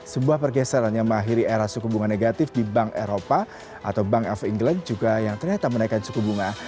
sebuah pergeseran yang mengakhiri era suku bunga negatif di bank eropa atau bank of england juga yang ternyata menaikkan suku bunga